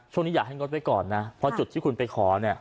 ช่วงนี้อยากให้งดไว้ก่อนนะเพราะจุดที่คุณไปขอเนี่ย